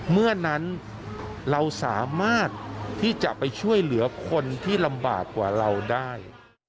เมื่อนั้นเราสามารถที่จะไปช่วยเหลือคนที่ลำบากกว่าเราได้